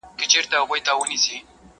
تاریخي خواړه ساده او صحتمند وو.